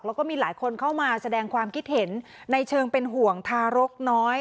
แล้วก็มีหลายคนเข้ามาแสดงความคิดเห็นในเชิงเป็นห่วงทารกน้อย